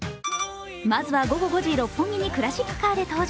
まずは午後５時、六本木にクラシックカーで登場。